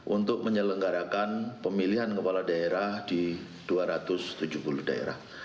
untuk menyelenggarakan pemilihan kepala daerah di dua ratus tujuh puluh daerah